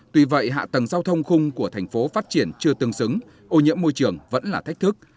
tuy vậy hạ tầng giao thông khung của thành phố phát triển chưa tương xứng ô nhiễm môi trường vẫn là thách thức